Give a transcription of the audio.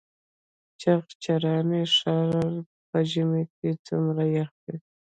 چغچران ښار په ژمي کې څومره یخ وي؟